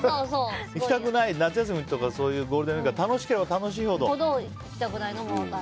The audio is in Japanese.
行きたくない、夏休みはそういうゴールデンウィークが楽しければ楽しいほど。